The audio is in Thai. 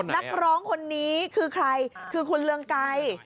นักร้องคนนี้คือใครคือคุณเรืองไกร